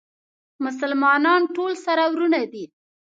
مسلمانان ټول سره وروڼه دي